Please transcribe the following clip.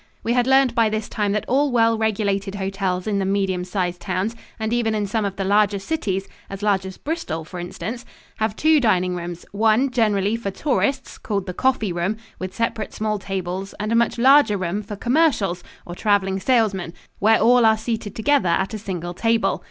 We had learned by this time that all well regulated hotels in the medium sized towns, and even in some of the larger cities as large as Bristol, for instance have two dining rooms, one, generally for tourists, called the "coffee room," with separate small tables, and a much larger room for "commercials," or traveling salesmen, where all are seated together at a single table.